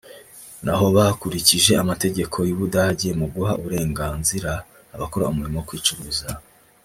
naho bakurikije amategeko y’ ubudage mu guha uburenganzira abakora umurimo wo kwicuruza